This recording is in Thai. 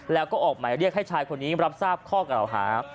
แล้วก็ออกหมายเรียกให้ชายคนนี้รับทราบข้อกล่าวหา